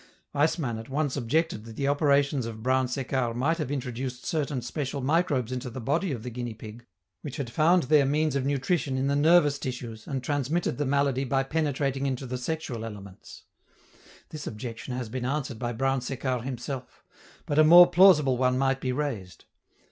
Weismann at once objected that the operations of Brown Séquard might have introduced certain special microbes into the body of the guinea pig, which had found their means of nutrition in the nervous tissues and transmitted the malady by penetrating into the sexual elements. This objection has been answered by Brown Séquard himself; but a more plausible one might be raised.